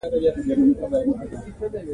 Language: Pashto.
په افغانستان کې د فاریاب تاریخ اوږد دی.